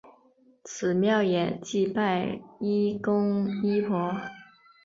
此庙也祭拜医公医婆。